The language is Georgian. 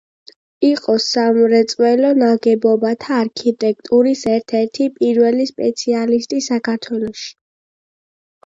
იყო სამრეწველო ნაგებობათა არქიტექტურის ერთ-ერთი პირველი სპეციალისტი საქართველოში.